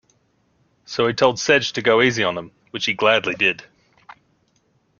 So he told Sedg to go easy on them, which he gladly did.